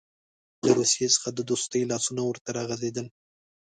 له روسیې څخه د دوستۍ لاسونه ورته راغځېدل.